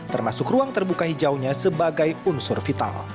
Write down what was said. termasuk ruang terbuka hijaunya sebagai unsur vital